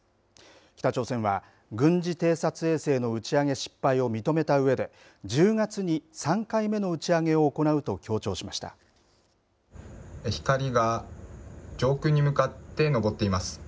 北朝鮮は軍事偵察衛星の打ち上げ失敗を認めたうえで１０月に３回目の打ち上げを光が上空に向かって上っています。